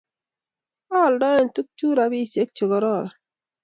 A aldaen tukchuk rapisyek che kororon.